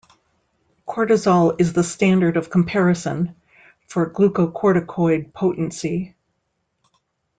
Cortisol is the standard of comparison for glucocorticoid potency.